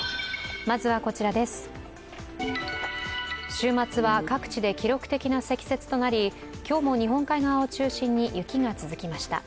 週末は各地で記録的な積雪となり今日も日本海側を中心に雪が続きました。